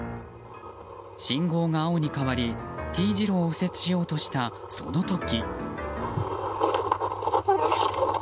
信号が青に変わりＴ字路を右折しようとしたその時。